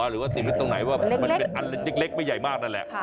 หรือว่าสิ่งมิตรตรงไหนว่ามันเป็นอันเล็กไม่ใหญ่มากนั่นแหละ